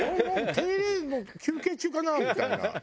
手入れの休憩中かな？みたいな。